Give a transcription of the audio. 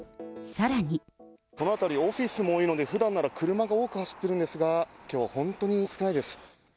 この辺り、オフィスも多いので、ふだんなら車が多く走っているんですが、きょうは本当に少ないです。